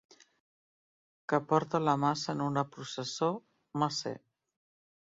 Que porta la maça en una processó, macer.